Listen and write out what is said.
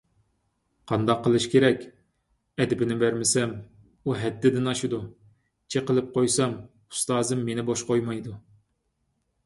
قانداق قىلىش كېرەك، ئەدىپىنى بەرمىسەم، ئۇ ھەددىدىن ئاشىدۇ، چېقىلىپ قويسام، ئۇستازىم مېنى بوش قويمايدۇ.